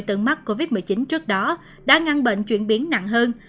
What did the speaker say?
tận mắt covid một mươi chín trước đó đã ngăn bệnh chuyển biến nặng hơn